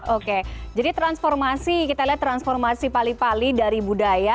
oke jadi transformasi kita lihat transformasi pali pali dari budaya